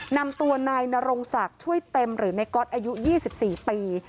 นำตัวนายนรงศักดิ์ช่วยเต็มหรือในก๊อตอายุ๒๔ปี